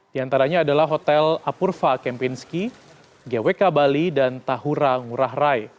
di antaranya adalah hotel apurva kempinski gwk bali dan tahura ngurah rai